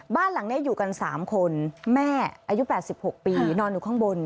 บ้านหลังนี้อยู่กัน๓คนแม่อายุ๘๖ปีนอนอยู่ข้างบน